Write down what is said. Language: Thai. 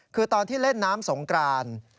คือตอนที่เล่นน้ำสงกราน